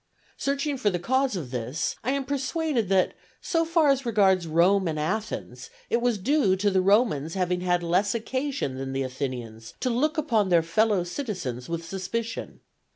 Searching for the cause of this, I am persuaded that, so far as regards Rome and Athens, it was due to the Romans having had less occasion than the Athenians to look upon their fellow citizens with suspicion.